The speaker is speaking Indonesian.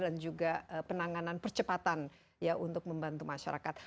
dan juga penanganan percepatan untuk membantu masyarakat